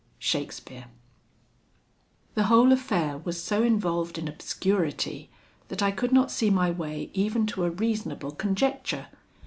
SHAKESPEARE. "The whole affair was so involved in obscurity that I could not see my way even to a reasonable conjecture.